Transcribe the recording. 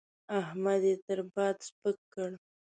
احمد يې تر باد سپک کړ.